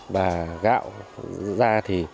và gạo dao